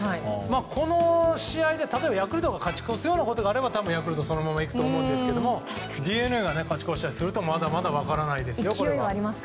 この試合でヤクルトが勝ち越すようなことがあれば多分、ヤクルトがそのままいくと思いますけどＤｅＮＡが勝ち越したりするとまだまだ分からないですよ。